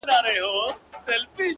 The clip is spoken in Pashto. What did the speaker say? يمه دي غلام سترگي راواړوه،